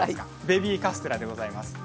ベビーカステラでございます。